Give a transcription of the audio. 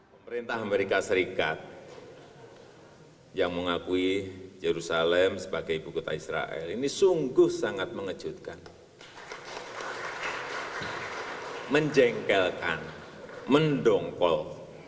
pemerintah amerika serikat yang mengakui jerusalem sebagai ibu kota israel ini sungguh sangat mengejutkan menjengkelkan mendongkol